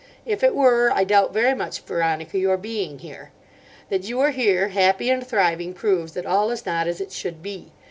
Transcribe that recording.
If it were I doubt very much, Veronica, your being here. That you are here happy and thriving proves that all is not as it should be.